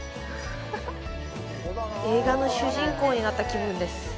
映画の主人公になった気分です。